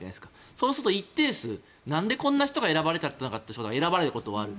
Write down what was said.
そうすると一定数なんでこんな人が選ばれちゃったんだという人が選ばれることもある。